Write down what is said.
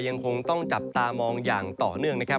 ยังคงต้องจับตามองอย่างต่อเนื่องนะครับ